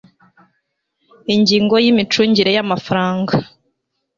ingingo y'imicungire y amafaranga